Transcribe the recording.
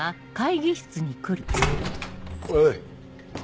おい。